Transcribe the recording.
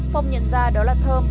phong nhận ra đó là thơm